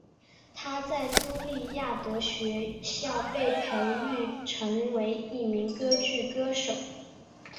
她在朱利亚德学校被培养成为一名歌剧歌手。